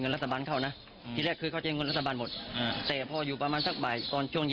แล้วตรง